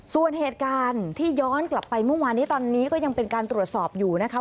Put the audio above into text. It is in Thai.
ส่วนเหตุการณ์ที่ย้อนกลับไปเมื่อวานนี้ตอนนี้ก็ยังเป็นการตรวจสอบอยู่นะคะ